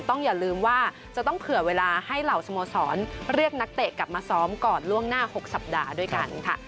อย่าลืมว่าจะต้องเผื่อเวลาให้เหล่าสโมสรเรียกนักเตะกลับมาซ้อมก่อนล่วงหน้า๖สัปดาห์ด้วยกันค่ะ